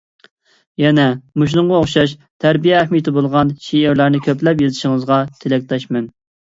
يەنە مۇشۇنىڭغا ئوخشاش تەربىيە ئەھمىيىتى بولغان شېئىرلارنى كۆپلەپ يېزىشىڭىزغا تىلەكداشمەن.